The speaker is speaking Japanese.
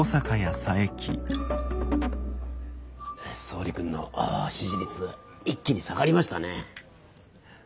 総理君の支持率一気に下がりましたね。